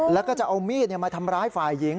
แล้วก็จะเอามีดมาทำร้ายฝ่ายหญิง